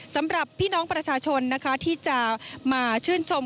สำหรับพี่น้องประชาชนนะคะที่จะมาชื่นชม